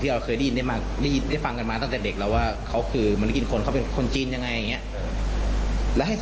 ผมดีใจมากที่ทางศรีราชให้เกียรติฯ